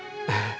rumah calon mertua